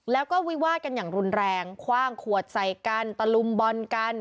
แล้วก็วิวาดกันอย่างรุนแรงคว่างขวดใส่กันตะลุมบอลกัน